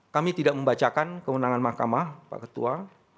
kami tidak membacakan kewenangan mahkamah pak ketua